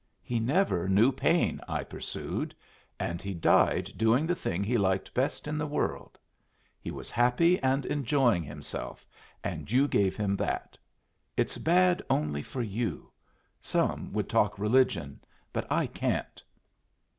"He never knew pain," I pursued, "and he died doing the thing he liked best in the world. He was happy and enjoying himself, and you gave him that. It's bad only for you. Some would talk religion, but I can't."